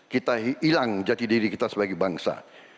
kita hilang jati diri kita sebagai bangsa